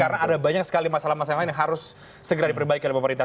karena ada banyak sekali masalah masalah lain yang harus segera diperbaiki oleh pemerintah